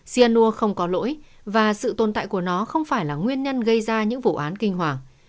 cyanur không có lỗi và sự tồn tại của nó không phải là nguyên nhân gây ra những vụ án kinh hoàng